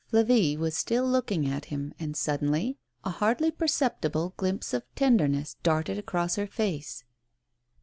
Flavie was still looking at him, and suddenly a hardly perceptible glimpse of tenderness darted across her face.